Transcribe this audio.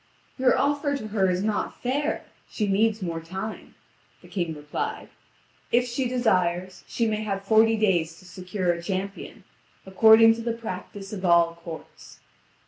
"Your offer to her is not fair; she needs more time," the King replied; "if she desires, she may have forty days to secure a champion, according to the practice of all courts."